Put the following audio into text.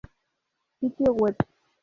Sitio web